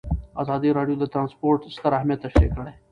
ازادي راډیو د ترانسپورټ ستر اهميت تشریح کړی.